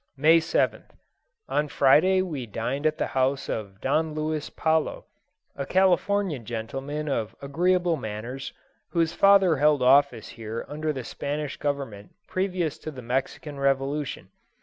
May 7th. On Friday we dined at the house of Don Luis Palo, a Californian gentleman of agreeable manners, whose father held office here under the Spanish government previous to the Mexican Revolution.